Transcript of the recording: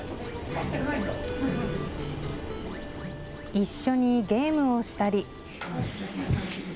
一緒にゲームをしたり。